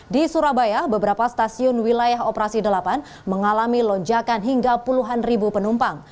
di surabaya beberapa stasiun wilayah operasi delapan mengalami lonjakan hingga puluhan ribu penumpang